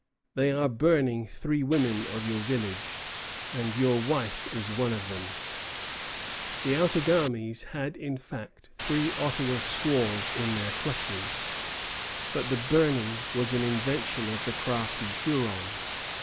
They are burning three women of your village, and your wife is one of them." The Outagamies had, in fact, three Ottawa squaws in their clutches; but the burning was an invention of the crafty Huron.